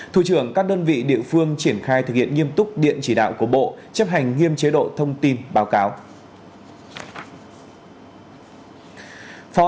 thủ trưởng các đơn vị địa phương triển khai thực hiện nghiêm túc điện chỉ đạo của bộ chấp hành nghiêm chế độ thông tin báo cáo